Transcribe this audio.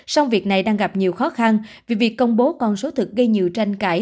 song việc này đang gặp nhiều khó khăn vì việc công bố con số thực gây nhiều tranh cãi